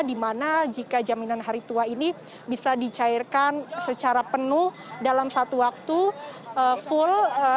di mana jika jaminan hari tua ini bisa dicairkan secara penuh dalam satu waktu full